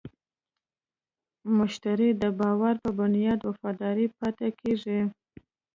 مشتری د باور په بنیاد وفادار پاتې کېږي.